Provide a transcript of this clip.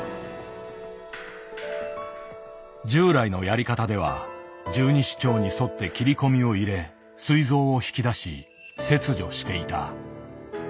従来のやり方では十二指腸に沿って切り込みを入れすい臓を引き出し切除していた。